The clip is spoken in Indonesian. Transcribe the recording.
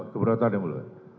keberatan yang boleh